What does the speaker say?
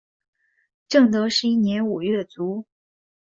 正德十一年五月卒。